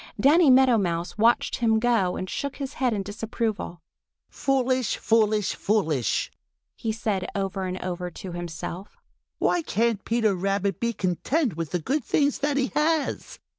Danny Meadow Mouse watched him go and shook his head in disapproval. "Foolish, foolish, foolish!" he said over and over to himself. "Why can't Peter be content with the good things that he has?"